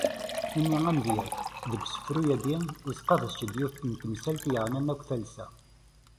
Imi amedyaz, deg usefru-agi, isqerdec-d yiwet n temsalt yeɛnan akk talsa.